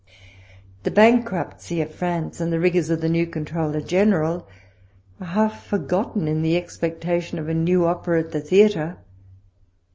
The bankruptcy of France, and the rigours of the new Comptroller General, are half forgotten, in the expectation of a new opera at the new theatre.